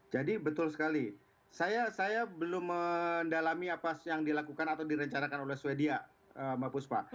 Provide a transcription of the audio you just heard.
jadi betul sekali saya belum mendalami apa yang dilakukan atau direncanakan oleh sweden mbak puspa